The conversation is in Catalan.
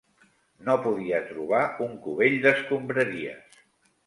No podia trobar un cubell d'escombraries.